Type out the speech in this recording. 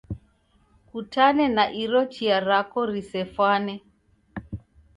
Kutane na iro chia rako risefwane.